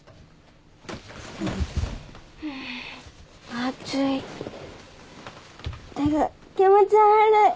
暑いてか気持ち悪い！